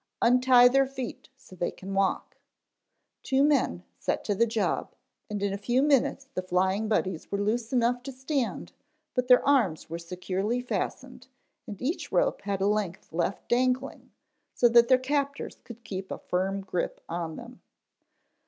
"Untie their feet so they can walk." Two men set to the job and in a few minutes the Flying Buddies were loose enough to stand but their arms were securely fastened and each rope had a length left dangling so that their captors could keep a firm grip on them.